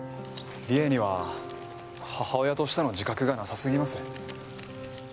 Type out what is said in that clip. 理恵には母親としての自覚がなさすぎます。